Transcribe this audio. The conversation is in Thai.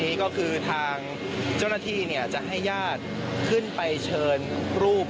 นี้ก็คือทางเจ้าหน้าที่จะให้ญาติขึ้นไปเชิญรูป